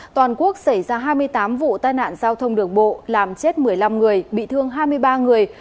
toàn quốc xảy ra hai mươi tám vụ tai nạn giao thông đường bộ làm chết một mươi năm người bị thương hai mươi ba người